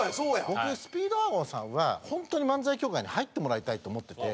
僕スピードワゴンさんは本当に漫才協会に入ってもらいたいと思ってて。